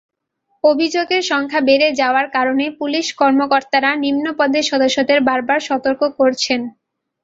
অভিযোগের সংখ্যা বেড়ে যাওয়ার কারণেই পুলিশ কর্মকর্তারা নিম্নপদের সদস্যদের বারবার সতর্ক করছেন।